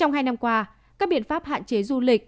trong hai năm qua các biện pháp hạn chế du lịch